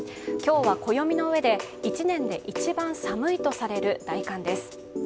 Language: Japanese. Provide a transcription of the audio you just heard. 今日は暦の上で１年で一番寒いとされる大寒です。